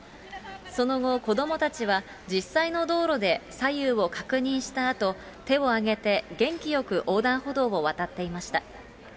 その後、子どもたちは実際の道路で左右を確認したあと、手を上げて元気よく横断歩道を渡っていました。